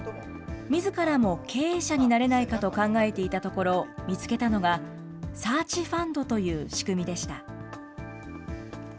みずからも経営者になれないかと考えていたところ、見つけたのが、サーチファンドという仕組みでした。